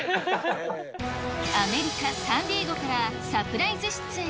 アメリカ・サンディエゴからサプライズ出演。